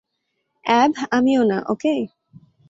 অ্যাব, আমিও না, ওকে?